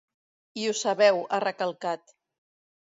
I ho sabeu, ha recalcat.